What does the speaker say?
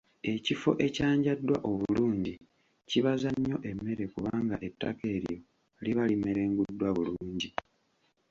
Ekifo ekyanjaddwa obulungi kibaza nnyo emmere kubanga ettaka eryo liba limerenguddwa bulungi.